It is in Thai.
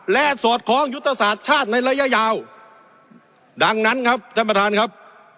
และสอดคล้องยุทธศาสตร์ชาติในระยะยาวดังนั้นครับท่านประธานครับ